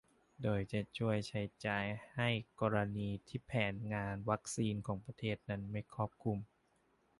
โดยจะช่วยค่าใช้จ่ายให้กรณีที่แผนงานวัคซีนของประเทศนั้นไม่ครอบคลุม